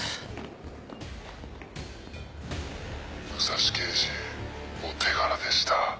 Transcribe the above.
武蔵刑事お手柄でした。